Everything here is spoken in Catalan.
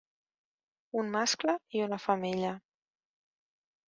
Un mascle i una femella.